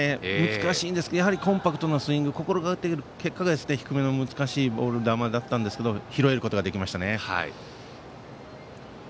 難しいんですがコンパクトなスイングを心がけている結果が低めの難しいボール球だったんですが拾うことができましたね。